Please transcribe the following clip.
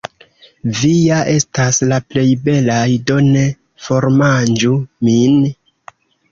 Vi ja estas la plej belaj, do ne formanĝu min.